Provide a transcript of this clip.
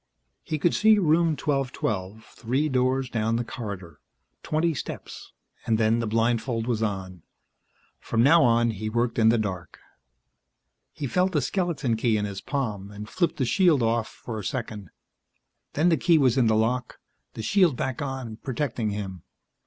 He could see Room 1212, three doors down the corridor, twenty steps and then the blindfold was on. From now on he worked in the dark. He felt the skeleton key in his palm and flipped the shield off for a second; then the key was in the lock, the shield back on, protecting him.